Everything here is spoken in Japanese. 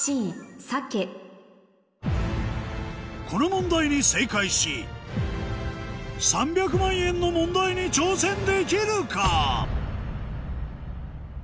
この問題に正解し３００万円の問題に挑戦できるか？